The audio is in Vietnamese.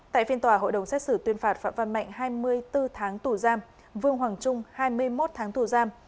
tại phiên tòa hội đồng xét xử tuyên phạt phạm văn mạnh hai mươi bốn tháng tù giam vương hoàng trung hai mươi một tháng tù giam